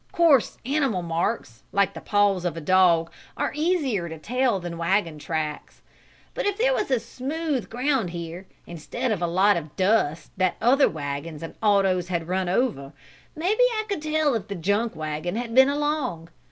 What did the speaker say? Course animal marks, like the paws of a dog, are easier to tell than wagon tracks. But if there was smooth ground here, instead of a lot of dust that other wagons and autos had run over, maybe I could tell if the junk wagon had been along.